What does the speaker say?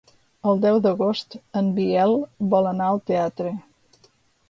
El deu d'agost en Biel vol anar al teatre.